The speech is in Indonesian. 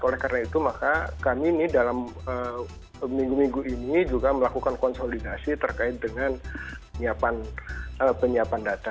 oleh karena itu maka kami ini dalam minggu minggu ini juga melakukan konsolidasi terkait dengan penyiapan data